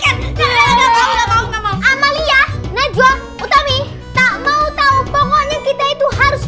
nggak mau sama lihat najwa uttami tak mau tahu pokoknya kita itu harus